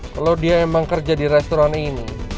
kalau dia emang kerja di restoran ini